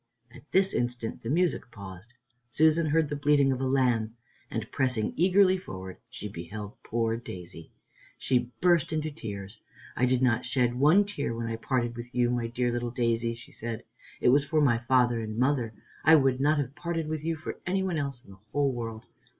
At this instant the music paused. Susan heard the bleating of a lamb, and pressing eagerly forward, she beheld poor Daisy. She burst into tears. "I did not shed one tear when I parted with you, my dear little Daisy," she said, "it was for my father and mother. I would not have parted with you for any one else in the whole world.